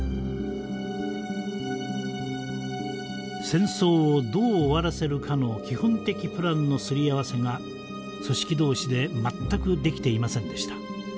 戦争をどう終わらせるかの基本的プランのすり合わせが組織同士で全くできていませんでした。